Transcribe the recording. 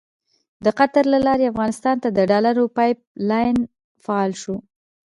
د قطر له لارې افغانستان ته د ډالرو پایپ لاین فعال شو.